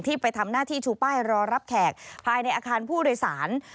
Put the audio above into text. ไปทำหน้าที่ชูป้ายรอรับแขกภายในอาคารผู้โดยสาร